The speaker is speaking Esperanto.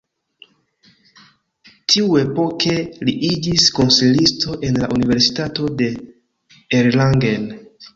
Tiuepoke li iĝis konsilisto en la Universitato de Erlangen.